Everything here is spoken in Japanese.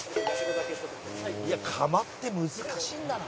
「いや窯って難しいんだな」